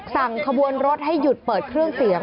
สั่งขบวนรถให้หยุดเปิดเครื่องเสียง